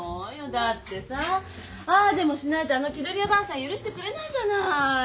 だってさああでもしないとあの気取り屋ばあさん許してくれないじゃない。